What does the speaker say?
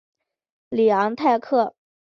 里昂泰克。